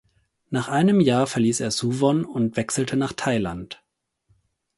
Nach einem Jahr verließ er Suwon und wechselte nach Thailand.